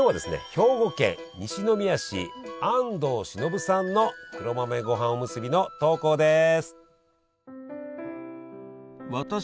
兵庫県西宮市安藤忍さんの黒豆ごはんおむすびの投稿です。